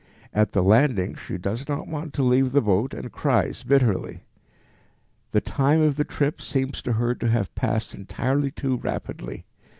At the landing she does not want to leave the boat and cries bitterly. The time of the trip seems to her to have passed entirely too rapidly.